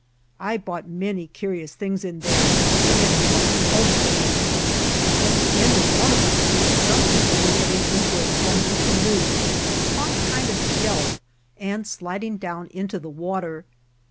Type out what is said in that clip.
I bought many curious things in there and brought them home with me. At the end of one of the streets some people were getting into a clumsy canoe, upon a kind of shelf, and sliding down into the water.